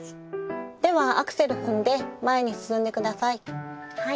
ではアクセル踏んで前に進んで下さい。